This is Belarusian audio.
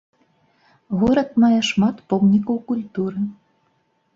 Горад мае шмат помнікаў культуры.